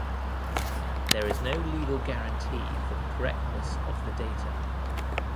There is no legal guarantee for the correctness of the data.